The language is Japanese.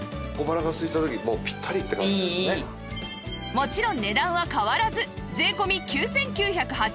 もちろん値段は変わらず税込９９８０円